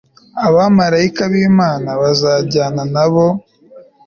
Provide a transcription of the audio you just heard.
abamarayika bImana bazajyana na bo